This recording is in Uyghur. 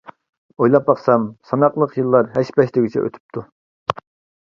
ئويلاپ باقسام ساناقلىق يىللار ھەش-پەش دېگۈچە ئۆتۈپتۇ.